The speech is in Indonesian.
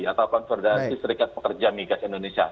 atau konfederasi serikat pekerja migas indonesia